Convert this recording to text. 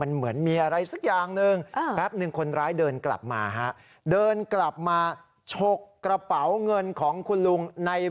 อ๋อเหมือนเขาเงินคิดอยู่สักพักหนึ่งนะ